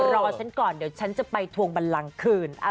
รอฉันก่อนเดี๋ยวฉันจะไปทวงบันลังคืน